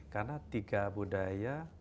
karena tiga budaya